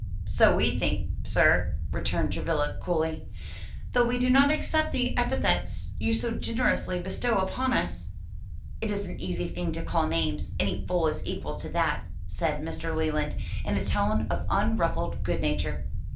"So we think, sir," returned Travilla coolly, "though we do not accept the epithets you so generously bestow upon us." "It is an easy thing to call names; any fool is equal to that," said Mr. Leland, in a tone of unruffled good nature.